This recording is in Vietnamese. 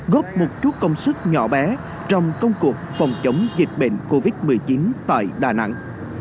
góp một chút công sức nhỏ bé trong công cuộc phòng chống dịch bệnh covid một mươi chín tại đà nẵng